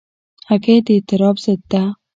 هګۍ د اضطراب ضد ده.